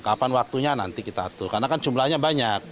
kapan waktunya nanti kita atur karena kan jumlahnya banyak